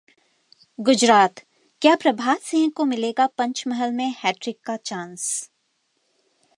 गुजरात: क्या प्रभात सिंह को मिलेगा पंचमहल में हैट्रिक का चांस?